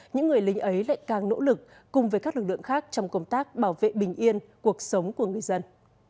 những người lính ấy lại càng nỗ lực cùng với các lực lượng khác trong công tác bảo vệ bình yên cuộc sống của người dân